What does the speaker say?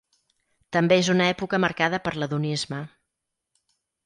També és una època marcada per l'hedonisme.